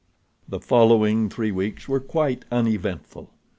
The following three weeks were quite uneventful.